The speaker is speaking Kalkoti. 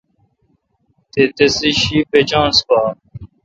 تے تسے°شی پیچونس پا۔